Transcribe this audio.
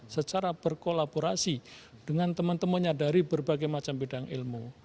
secara berkolaborasi dengan teman temannya dari berbagai macam bidang ilmu